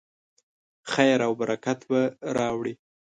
خیر او برکت به راوړي.